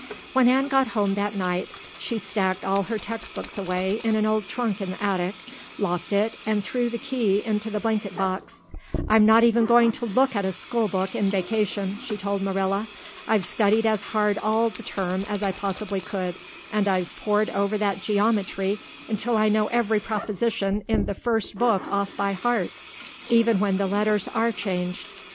When Anne got home that night she stacked all her textbooks away in an old trunk in the attic, locked it, and threw the key into the blanket box. "I'm not even going to look at a schoolbook in vacation," she told Marilla. "I've studied as hard all the term as I possibly could and I've pored over that geometry until I know every proposition in the first book off by heart, even when the letters are changed.